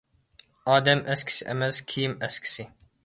ئادەم ئەسكىسى ئەمەس، كىيىم ئەسكىسى.